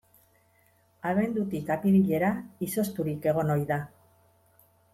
Abendutik apirilera izozturik egon ohi da.